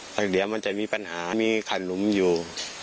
แล้วเดี๋ยวมันจะมีปัญหามีขาดหลุมอยู่